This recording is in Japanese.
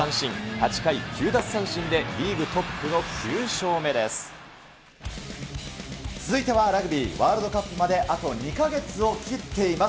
８回９奪三振でリーグトップの９続いてはラグビー、ワールドカップまであと２か月を切っています。